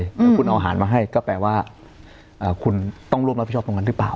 แล้วคุณเอาอาหารมาให้ก็แปลว่าคุณต้องร่วมรับผิดชอบตรงนั้นหรือเปล่า